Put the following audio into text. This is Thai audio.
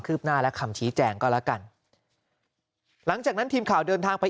หน้าและคำชี้แจงก็แล้วกันหลังจากนั้นทีมข่าวเดินทางไป